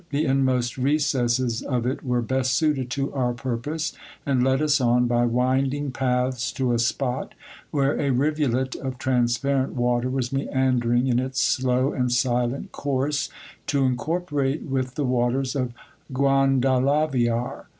The inmost recesses of it were best suited to our pur pose, and led us on by winding paths to a spot where a rivulet of transparent water was meandering in its slow and silent course, to incorporate with the waters of Guadalaviar.